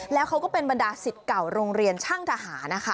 แล้วเขาก็เป็นบรรดาสิทธิ์เก่าโรงเรียนช่างทหารนะคะ